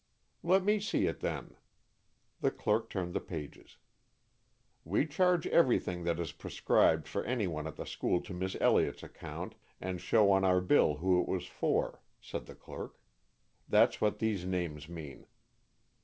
"Let me see it, then." The clerk turned the pages. "We charge everything that is prescribed for anyone at the school to Miss Elliott's account, and show on our bill who it was for," said the clerk. "That's what these names mean."